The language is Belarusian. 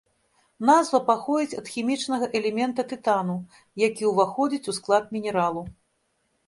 Назва паходзіць ад хімічнага элемента тытану, які ўваходзіць у склад мінералу.